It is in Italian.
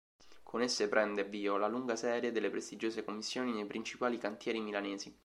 Con esse prende avvio la lunga serie delle prestigiose commissioni nei principali cantieri milanesi.